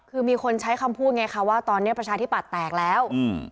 คือมีคนใช้คำพูดไงคะว่าตอนนี้ประชาธิปัตย์แตกแล้ว